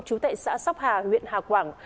chú tệ xã sóc hà huyện hà quảng